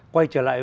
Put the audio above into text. quay trở lại